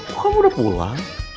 kok kamu udah pulang